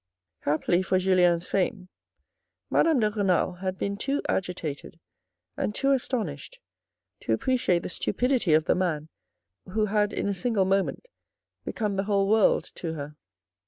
Happily for Julien's fame, Madame de Renal had been too agitated and too astonished to appreciate the stupidity of the man who had in a single moment become the whole to world her.